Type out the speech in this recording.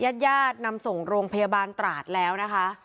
ญาติญาตินำส่งโรงพยาบาลตราดแล้วนะคะ